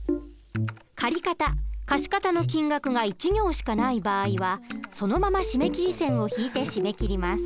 借方貸方の金額が１行しかない場合はそのまま締め切り線を引いて締め切ります。